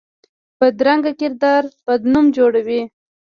بدرنګه کردار بد نوم جوړوي